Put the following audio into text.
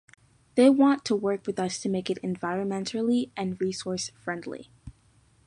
They want to work with us to make it environmentally and resource friendly.